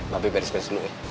mabe beres beres dulu ya